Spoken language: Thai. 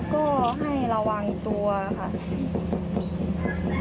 ก็ให้ระวังตัวค่ะ